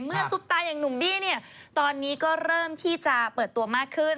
ซุปตาอย่างหนุ่มบี้เนี่ยตอนนี้ก็เริ่มที่จะเปิดตัวมากขึ้น